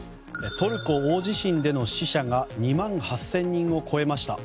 トルコ大地震での死者が２万８０００人を超えました。